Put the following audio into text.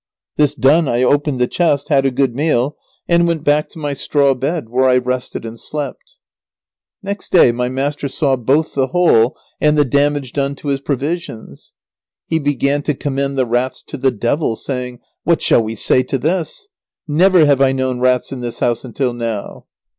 This done I opened the chest, had a good meal, and went back to my straw bed, where I rested and slept. Next day my master saw both the hole and the damage done to his provisions. He began to commend the rats to the devil, saying, "What shall we say to this! Never have I known rats in this house until now."